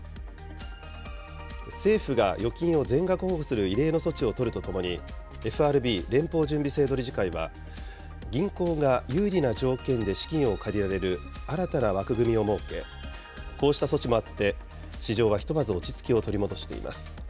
政府が預金を全額保護する異例の措置を取るとともに、ＦＲＢ・連邦準備制度理事会は、銀行が有利な条件で資金を借りられる新たな枠組みを設け、こうした措置もあって、市場はひとまず落ち着きを取り戻しています。